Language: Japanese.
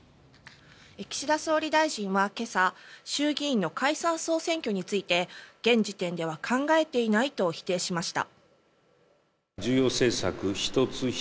岸田総理大臣は今朝衆議院の解散・総選挙について現時点では考えていないと否定しました。